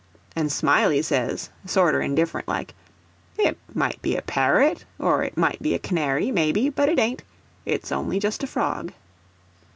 And Smiley says, sorter indifferent like, "It might be a parrot, or it might be a canary, maybe, but it ain't—it's only just a frog."